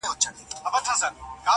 بد ښکارېږم چي وړوکی یم- سلطان یم-